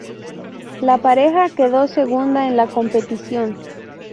La pareja quedó segunda en la competición.